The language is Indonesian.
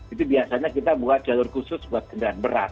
itu biasanya kita buat jalur khusus buat kendaraan berat